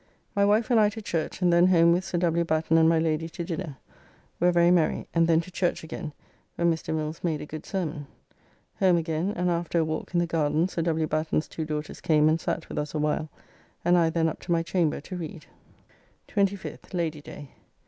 My wife and I to church, and then home with Sir W. Batten and my Lady to dinner, where very merry, and then to church again, where Mr. Mills made a good sermon. Home again, and after a walk in the garden Sir W. Batten's two daughters came and sat with us a while, and I then up to my chamber to read. 25th (Lady day).